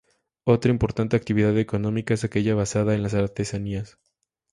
Otra importante actividad económica es aquella basada en la artesanías.